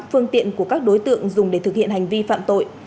phương tiện của các đối tượng dùng để thực hiện hành vi phạm tội